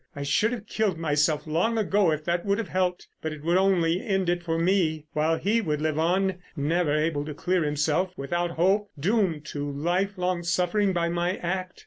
I should have killed myself long ago if that would have helped; but it would only end it for me, while he would live on, never able to clear himself, without hope, doomed to life long suffering by my act.